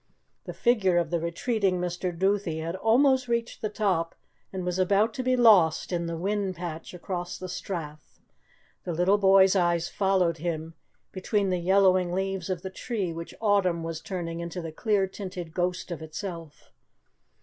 The figure of the retreating Mr. Duthie had almost reached the top and was about to be lost in the whin patch across the strath. The little boy's eyes followed him between the yellowing leaves of the tree which autumn was turning into the clear tinted ghost of itself.